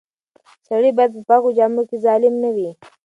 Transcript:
سړی باید په پاکو جامو کې ظالم نه وای.